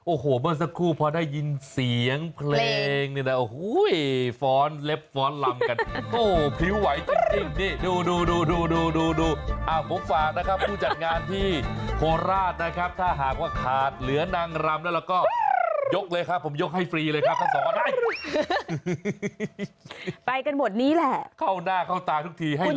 โอ้โหเมื่อสักครู่พอได้ยินเสียงเพลงนี่นะโอ้โหฝ้อนเล็บฝ้อนรำกันโอ้โหผิวไหวจริงนี่ดู